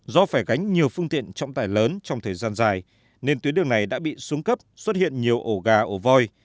do phải gánh nhiều phương tiện trọng tải lớn trong thời gian dài nên tuyến đường này đã bị xuống cấp xuất hiện nhiều ổ gà ổ voi